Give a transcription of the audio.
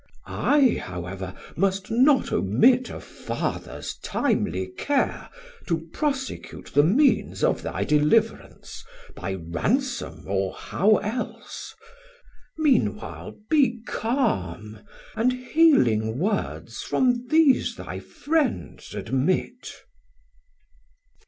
I however Must not omit a Fathers timely care To prosecute the means of thy deliverance By ransom or how else: mean while be calm, And healing words from these thy friends admit.